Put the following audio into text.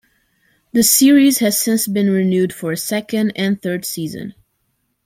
The series has since been renewed for a second and third season.